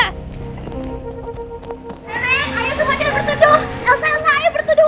nenek ayo semua jangan berteduh